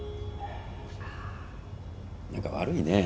何か悪いね。